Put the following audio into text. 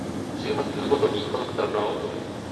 週末ごとに家族だんらんを求める